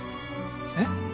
えっ？